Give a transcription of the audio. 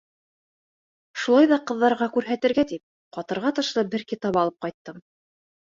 Шулай ҙа ҡыҙҙарға күрһәтергә тип, ҡатырға тышлы бер китап алып ҡайттым.